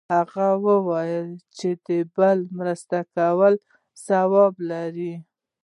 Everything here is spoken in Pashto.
هغه وایي چې د بل مرسته کول ثواب لری